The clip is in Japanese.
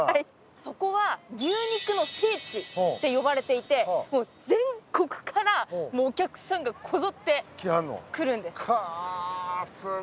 そこは牛肉の聖地って呼ばれていて全国からお客さんがこぞって来はんの？